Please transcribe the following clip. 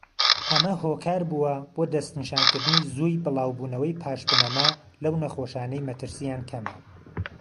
ئەمە هۆکار بووە بۆ دەسنیشانکردنی زووی بڵاو بوونەوەی پاشبنەما لەو نەخۆشانەی مەترسیان کەمە.